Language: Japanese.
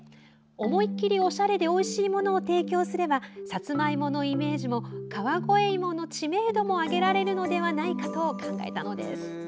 思いっきりおしゃれでおいしいものを提供すればさつまいものイメージも川越いもの知名度も上げられるのではないかと考えたのです。